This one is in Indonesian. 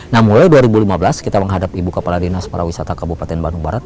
nah mulai dua ribu lima belas kita menghadap ibu kepala dinas para wisata kabupaten bandung barat